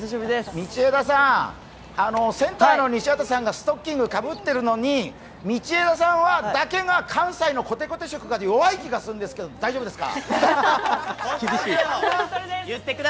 道枝さん、センターの西畑さんがストッキングかぶってるのに道枝さんだけが関西のこてこて色が弱い気がするんですけど、大丈夫ですか？